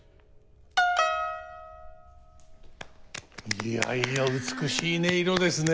いやいや美しい音色ですね。